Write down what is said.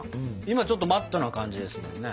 今ちょっとマットな感じですもんね。